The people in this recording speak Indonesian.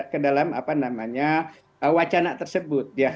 ke dalam apa namanya wacana tersebut